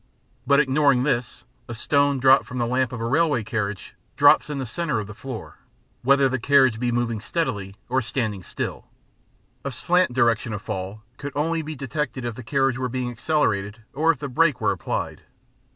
But, ignoring this, a stone dropped from the lamp of a railway carriage drops in the centre of the floor, whether the carriage be moving steadily or standing still; a slant direction of fall could only be detected if the carriage were being accelerated or if the brake were applied.